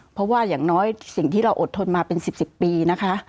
เพราะว่าอย่างน้อยสิ่งที่เราอดทนมาเป็น๑๐ปีนะคะ